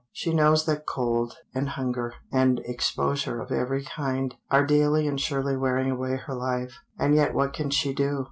She knows that cold, and hunger, and exposure of every kind, are daily and surely wearing away her life. And yet what can she do?